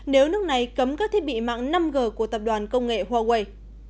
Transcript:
nếu nước này cấm các thiết bị mạng năm g của tập đoàn công nghệ huawei